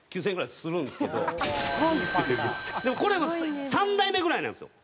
でこれもう３代目ぐらいなんですよ。